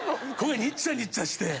ニチャニチャして。